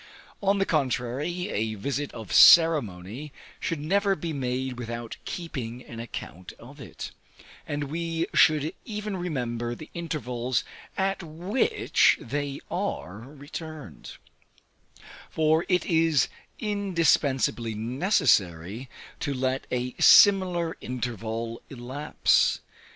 On the contrary, a visit of ceremony should never be made without keeping an account of it, and we should even remember the intervals at which they are returned; for it is indispensably necessary to let a similar interval elapse.